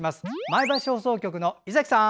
前橋放送局の伊崎さん！